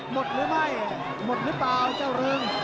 หมดหรือเปล่าเจ้าเริง